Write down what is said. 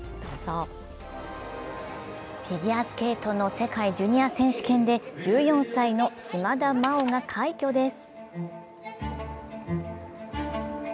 フィギュアスケートの世界ジュニア選手権で１４歳の島田麻央が快挙です。